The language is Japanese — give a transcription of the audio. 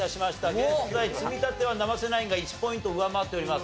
現在積み立ては生瀬ナインが１ポイント上回っております。